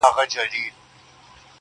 د ازادۍ مبارزې تل قرباني غواړي